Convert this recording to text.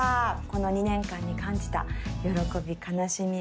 この２年間に感じた喜び悲しみ